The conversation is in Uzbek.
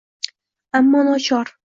ammo nochor